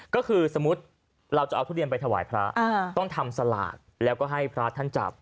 ก็คือสมมุติเราจะเอาทุเรียนไปถวายพระต้องทำสลากแล้วก็ให้พระท่านจับ